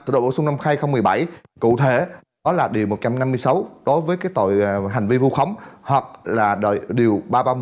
đổi bổ sung năm hai nghìn một mươi bảy cụ thể đó là điều một trăm năm mươi sáu đối với cái tội hành vi vu khống hoặc là điều ba trăm ba mươi bảy